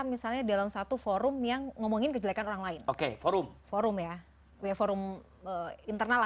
misalnya dalam satu forum yang ngomongin kejelekan orang lain oke forum forum ya we forum internal